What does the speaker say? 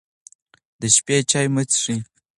د شپې چای مه څښئ.